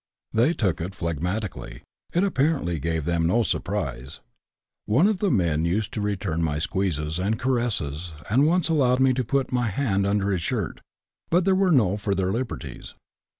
They took it phlegmatically; it apparently gave them no surprise. One of the men used to return my squeezes and caresses and once allowed me to put my hand under his shirt, but there were no further liberties.